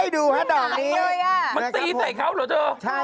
ดูครับดอกนี้มันตีใส่เขาเหรอเจ้า